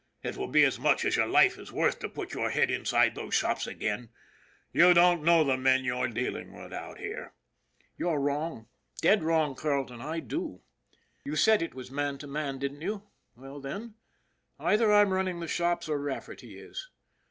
It will be as much as your life is worth to put your head inside those shops again. You don't know the men you're dealing with out here." 12 ON THE IRON AT BIG CLOUD ' You're wrong, dead wrong, Carleton, I do. You said it was man to man, didn't you ? Well, then, either I'm running the shops or Rafferty is.